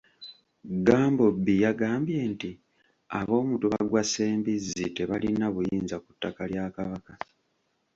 Gambobbi yagambye nti ab'omutuba gwa Ssembizzi tebalina buyinza ku ttaka lya Kabaka.